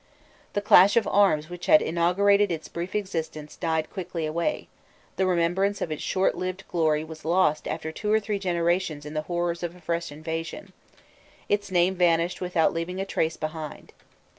The clash of arms which had inaugurated its brief existence died quickly away, the remembrance of its short lived glory was lost after two or three generations in the horrors of a fresh invasion: its name vanished without leaving a trace behind.